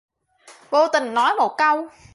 Vô tình nói một câu